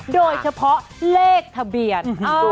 โดยเฉพาะเลขทะเบียน